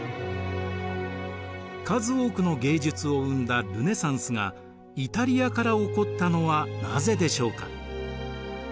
数多くの芸術を生んだルネサンスがイタリアから起こったのはなぜでしょうか？